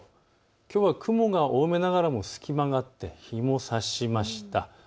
きょうは雲が多めながらも隙間があって日もさしました。